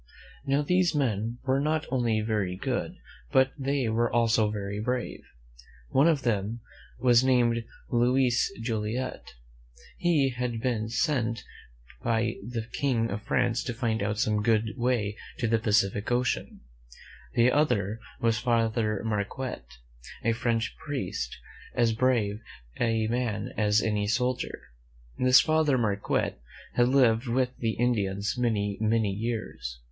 Now, these men were not only very good, but they were also very brave. One of them was named Louis Joliet. He had been sent by the King of France to find out some good way to ± iO^ W' •.! 143 THE MEN WHO FOUND AMERICA M viN :. ^a^ the Pacific Ocean. The other was Father Mar quette, a French priest, as brave a man as any soldier. This Father Marquette had Hved with the Indians many, many years.